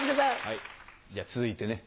じゃあ続いてね。